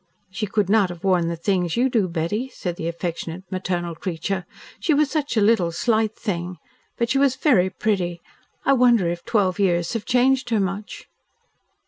"She could not have worn the things you do, Betty," said the affectionate maternal creature. "She was such a little, slight thing. But she was very pretty. I wonder if twelve years have changed her much?"